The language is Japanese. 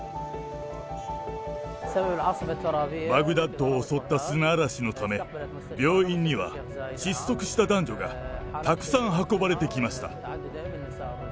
バグダッドを襲った砂嵐のため、病院には窒息した男女が、たくさん運ばれてきました。